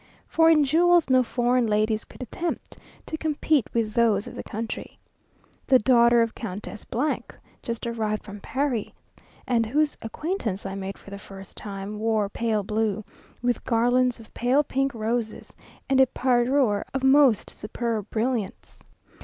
for in jewels no foreign ladies could attempt to compete with those of the country. The daughter of Countess , just arrived from Paris, and whose acquaintance I made for the first time, wore pale blue, with garlands of pale pink roses, and a parure of most superb brilliants.